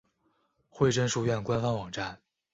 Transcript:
惠贞书院官方网站